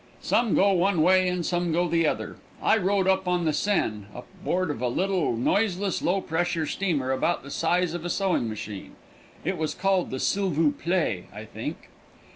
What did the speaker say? Some go one way and some go the other. I rode up on the Seine, aboard of a little, noiseless, low pressure steamer about the size of a sewing machine. It was called the Silvoo Play, I think.